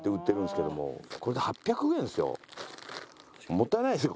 もったいないですよ